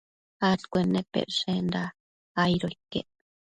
adcuennepecshenda aido iquec